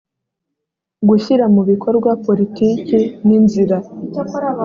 gushyira mu bikorwa politiki n inzira